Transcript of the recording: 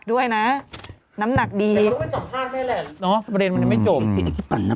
โอ้ยน้ำน้ำเอ้าล่ะ